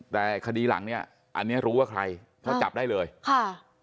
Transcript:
แต่คดีหลังเนี้ยอันเนี้ยรู้ว่าใครเพราะจับได้เลยค่ะ